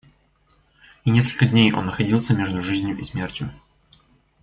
И несколько дней он находился между жизнью и смертью.